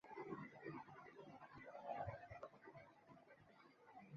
其坚忍不拔的性格就在苦牢中形成。